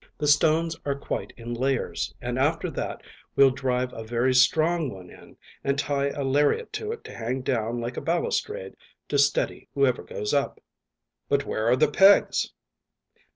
The stones are quite in layers; and after that we'll drive a very strong one in, and tie a lariat to it to hang down like a balustrade to steady whoever goes up." "But where are the pegs?"